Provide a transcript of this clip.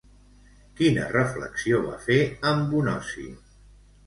Quina reflexió va fer en Bonosi?